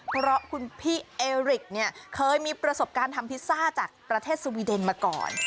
เพราะคุณพี่เอริกเนี่ยเคยมีประสบการณ์ทำพิซซ่าจากประเทศสวีเดนมาก่อน